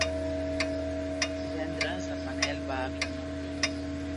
Divendres en Manel va a Avinyó.